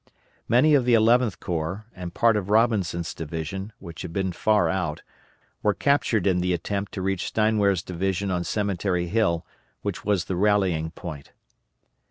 Many of the Eleventh Corps, and part of Robinson's division, which had been far out, were captured in the attempt to reach Steinwehr's division on Cemetery Hill, which was the rallying point.